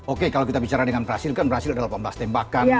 oke kalau kita bicara dengan brazil kan brazil ada delapan belas tembakan